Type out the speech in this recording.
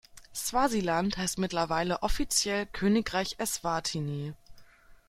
Swasiland heißt mittlerweile offiziell Königreich Eswatini.